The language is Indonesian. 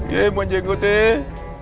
yeh mbak jengot deh